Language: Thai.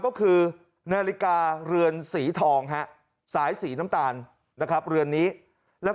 ก็คือนาฬิกาเรือนสีทองฮะสายสีน้ำตาลนะครับเรือนนี้แล้ว